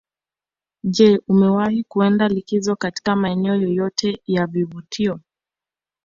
Je umewahi kwenda likizo katika maeneo yoyote ya vivutio